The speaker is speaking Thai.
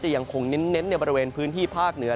ยังคงเน้นในบริเวณพื้นที่ภาคเหนือ